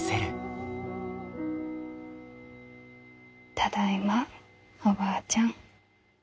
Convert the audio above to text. ただいまおばあちゃん。